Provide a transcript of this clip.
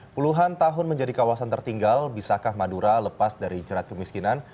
puluhan tahun menjadi kawasan tertinggal bisakah madura lepas dari jerat kemiskinan